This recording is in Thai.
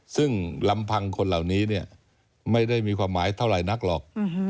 ซึ่งลำพังคนเหล่านี้ไม่ได้มีความหมายเท่าไหร่นักหรอก